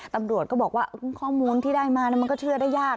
ตำรวจก็บอกว่าข้อมูลที่ได้มามันก็เชื่อได้ยาก